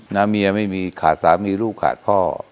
เมียไม่มีขาดสามีลูกขาดพ่อ